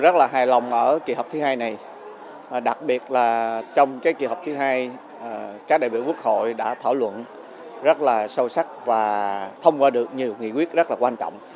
đại biểu quốc hội đã thảo luận rất là sâu sắc và thông qua được nhiều nghị quyết rất là quan trọng